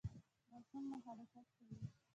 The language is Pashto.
ماشوم مو حرکت کوي؟